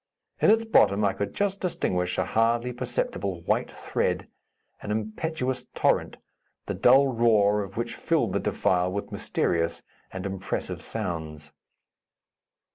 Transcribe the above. In its bottom I could just distinguish a hardly perceptible white thread, an impetuous torrent, the dull roar of which filled the defile with mysterious and impressive sounds.